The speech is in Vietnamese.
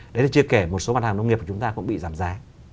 đấy là chưa kể một số mặt hàng nông nghiệp của chúng ta cũng bị giảm giá